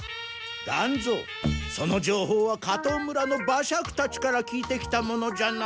団蔵そのじょうほうは加藤村の馬借たちから聞いてきたものじゃな？